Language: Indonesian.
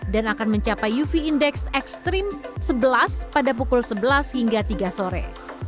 dan akan mencapai uv indeks ekstrim sebelas pada pukul sebelas hingga tiga sore